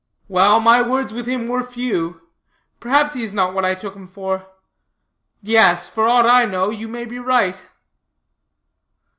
"Well, my words with him were few. Perhaps he is not what I took him for. Yes, for aught I know, you may be right."